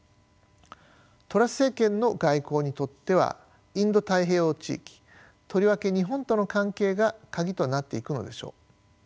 トラス政権の外交にとってはインド太平洋地域とりわけ日本との関係が鍵となっていくのでしょう。